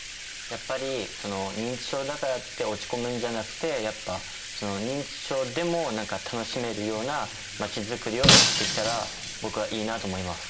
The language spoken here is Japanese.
やっぱり認知症だからって落ち込むんじゃなくてやっぱ認知症でも楽しめるような街づくりをできたら僕はいいなと思います。